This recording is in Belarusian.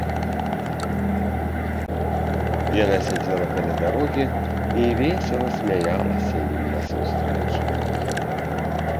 Яна сядзела каля дарогі і весела смяялася ім насустрэчу.